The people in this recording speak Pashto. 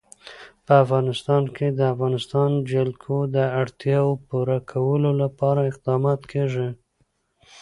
په افغانستان کې د د افغانستان جلکو د اړتیاوو پوره کولو لپاره اقدامات کېږي.